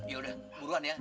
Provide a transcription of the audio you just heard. yaudah murahan ya